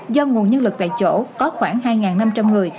do nguồn nhân lực tại chỗ có khoảng hai năm trăm linh người